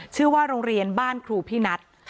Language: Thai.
ชื่อว่าโรงเรียนบ้านครูพี่นัท